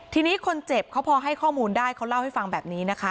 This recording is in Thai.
ทีนี้คนเจ็บเขาพอให้ข้อมูลได้เขาเล่าให้ฟังแบบนี้นะคะ